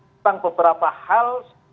tentang beberapa hal